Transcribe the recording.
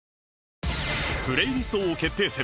プレイリスト王決定戦